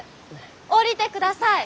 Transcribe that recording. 下りてください！